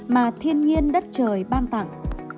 mà thiên nhiên đất trời ban tặng